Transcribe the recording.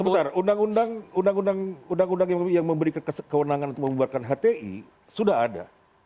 sebentar undang undang yang memberi kewenangan untuk membuarkan hti sudah ada